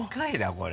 これ。